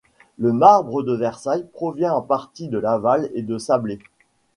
Le marbre de Versailles provient en partie de Laval et de Sablé.